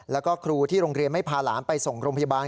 แล้วก็ครูที่โรงเรียนไม่พาหลานไปส่งโรงพยาบาล